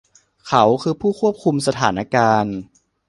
เขาคือผู้ควบคุมสถานการณ์